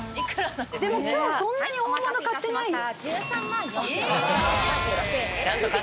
でも今日はそんなに大物買ってないよ。